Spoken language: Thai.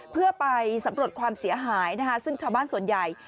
เพื่อไปสำรวจความเสียหายนะคะซึ่งชาวบ้านส่วนใหญ่